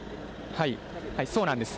そうなんです。